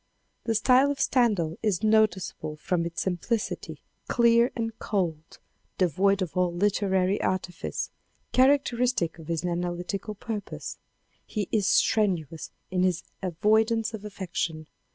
The style of Stendhal is noticeable from its simplicity, INTRODUCTION xv. clear and cold, devoid of all literary artifice, characteristic of his analytic purpose. He is strenuous in his avoid ance of affection.